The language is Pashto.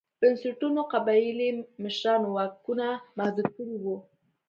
بنسټونو قبایلي مشرانو واکونه محدود کړي وو.